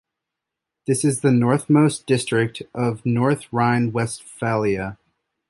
This is the northernmost district of North Rhine-Westphalia.